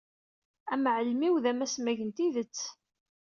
Amɛellem-iw d amasmag n tidet.